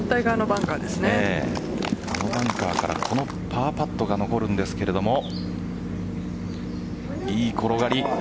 バンカーからこのパーパットが残るんですがいい転がり。